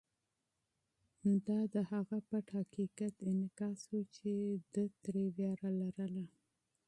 دا د هغه پټ حقیقت انعکاس و چې ده ترې وېره لرله.